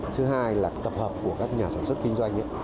thứ hai là tập hợp của các nhà sản xuất kinh doanh